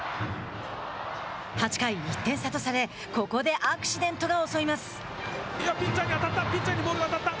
８回、１点差とされ、ここでアクシデントが襲います。